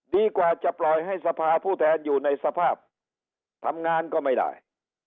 ดีกว่าจะปล่อยให้สภาผู้แทนอยู่ในสภาพทำงานก็ไม่ได้